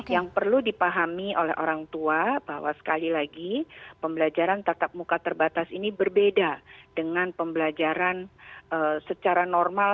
yang perlu dipahami oleh orang tua bahwa sekali lagi pembelajaran tatap muka terbatas ini berbeda dengan pembelajaran secara normal